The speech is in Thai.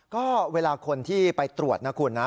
ก็เวลาคนที่ไปตรวจนะคุณนะ